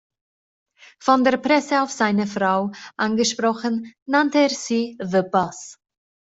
Von der Presse auf seine Frau angesprochen, nannte er sie „the Boss“.